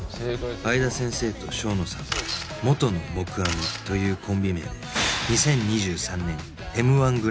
相田先生と正野さんは「元の木阿弥」というコンビ名で２０２３年 Ｍ−１ グランプリに出場